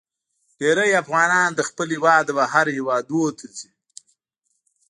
ډیرې افغانان له خپل هیواده بهر هیوادونو ته ځي.